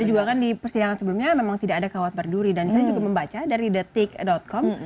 juga kan di persidangan sebelumnya memang tidak ada kawat berduri dan saya juga membaca dari detik com